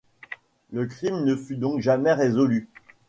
Le crime ne fut donc jamais résolu.